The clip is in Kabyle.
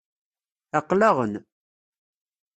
Aql-aɣ-n.